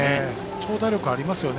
長打力がありますよね。